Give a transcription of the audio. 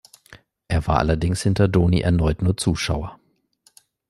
Er war allerdings hinter Doni erneut nur Zuschauer.